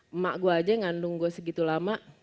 emak gue aja yang ngandung gue segitu lama